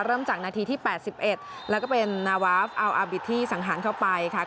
เริ่มจากนาทีที่๘๑แล้วก็เป็นนาวาฟอัลอาบิตที่สังหารเข้าไปค่ะ